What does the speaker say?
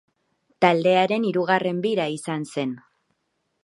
Taldearen hirugarren bira izan zen.